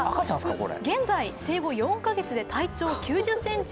現在生後４カ月で体長９０センチ。